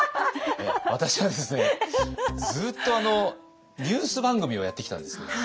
私はですねずっとニュース番組をやってきたんです。